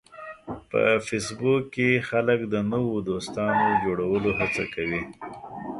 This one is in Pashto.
په فېسبوک کې خلک د نوو دوستانو جوړولو هڅه کوي